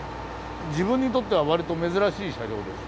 自分にとってはわりと珍しい車両です。